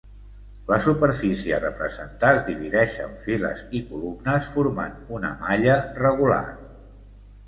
La superfície a representar es divideix en files i columnes formant una malla regular.